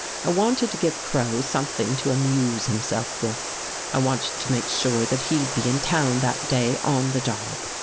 I wanted to give Crow something to amuse himself with. I wanted to make sure that he'd be In town that day on the job.